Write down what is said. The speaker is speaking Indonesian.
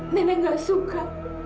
nenek gak suka